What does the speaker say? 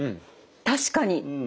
確かに。